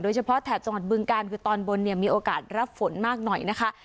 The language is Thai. เฉพาะแถบจังหวัดบึงการคือตอนบนเนี่ยมีโอกาสรับฝนมากหน่อยนะคะ